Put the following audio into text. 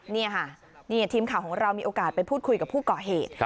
นี่ค่ะนี่ทีมข่าวของเรามีโอกาสไปพูดคุยกับผู้ก่อเหตุ